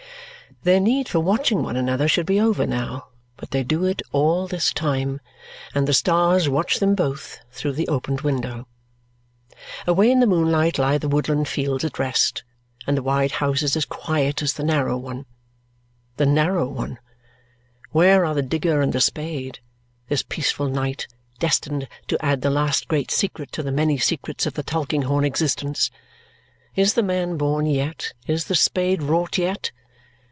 Their need for watching one another should be over now, but they do it all this time, and the stars watch them both through the opened window. Away in the moonlight lie the woodland fields at rest, and the wide house is as quiet as the narrow one. The narrow one! Where are the digger and the spade, this peaceful night, destined to add the last great secret to the many secrets of the Tulkinghorn existence? Is the man born yet, is the spade wrought yet?